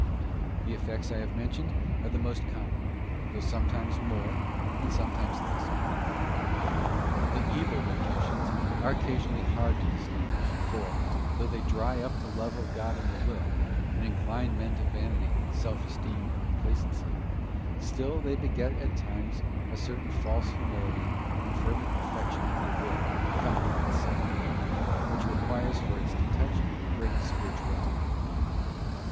The effects I have mentioned are the most common, though sometimes more, and sometimes less abundant. The evil Locutions are occasionally hard to distinguish, for, though they dry up the love of God in the will, and incline men to vanity, self esteem, or complacency; still they beget at times a certain false humility and fervent affection of the will founded on self love, which requires for its detection great spirituality of mind.